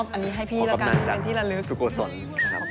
ขอบคุณพี่แสนรับมากที่มาให้ความรู้สึกดีมุมมองความรักให้